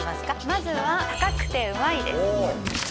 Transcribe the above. まずは高くてうまいです